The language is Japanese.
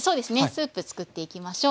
スープ作っていきましょう。